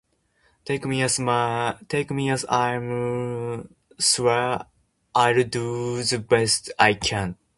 Take me as I am swear I'll do the best I can